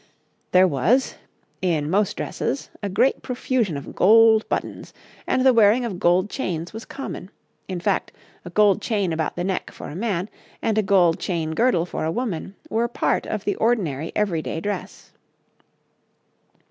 There was, in most dresses, a great profusion of gold buttons, and the wearing of gold chains was common in fact, a gold chain about the neck for a man, and a gold chain girdle for a woman, were part of the ordinary everyday dress.